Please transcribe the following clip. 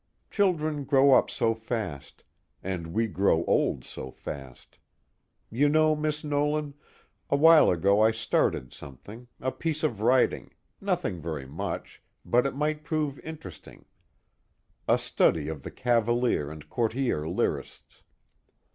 Children grow up so fast, and we grow old so fast. You know, Miss Nolan, a while ago I started something, a piece of writing nothing very much, but it might prove interesting. A study of the Cavalier and Courtier Lyrists.